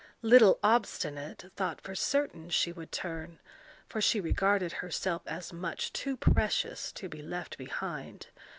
Little Obstinate thought for certain she would turn; for she regarded herself as much too precious to be left behind.